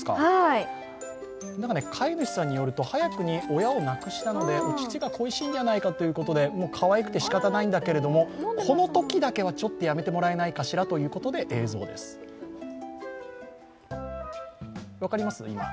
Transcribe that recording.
飼い主さんによると早くに親を亡くしたのでお乳が恋しいんじゃないかということでかわいくて、しかたないんだけれども、このときだけはちょっとやめてもらえないかしらということで映像です、分かります？